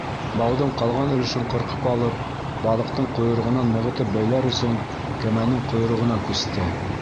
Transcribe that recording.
Бауҙың ҡалған өлөшөн ҡырҡып алып, балыҡтың ҡойроғонан нығытып бәйләр өсөн, кәмәнең ҡойроғона күсте.